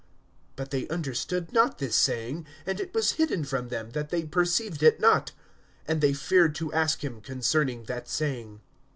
(45)But they understood not this saying, and it was hidden from them, that they perceived it not; and they feared to ask him concerning that saying.